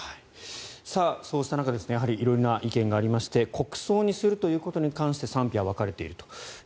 そうした中色々な意見がありまして国葬にするということに関して意見が賛否分かれています。